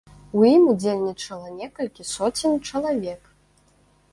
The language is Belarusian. У ім удзельнічала некалькі соцень чалавек.